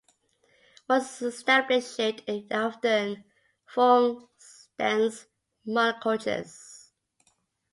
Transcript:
Once established it often forms dense monocultures.